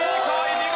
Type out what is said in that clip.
見事！